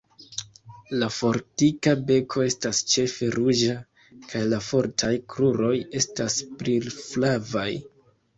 La fortika beko estas ĉefe ruĝa, kaj la fortaj kruroj estas brilflavaj.